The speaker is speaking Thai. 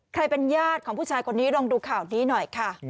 ใครเป็นญาติของผู้ชายคนนี้ลองดูข่าวนี้หน่อยค่ะ